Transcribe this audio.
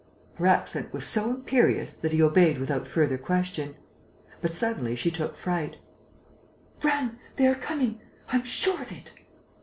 Her accent was so imperious that he obeyed without further question. But suddenly she took fright: "Run!... They are coming!... I am sure of it!..."